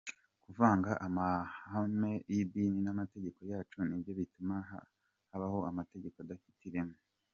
Kuvanga amahame y’idini n’amategeko yacu nibyo bituma habaho amategeko adafite ireme.